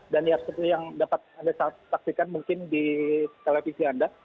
dan yang dapat anda saksikan mungkin di televisi anda